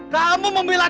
kamu membela dia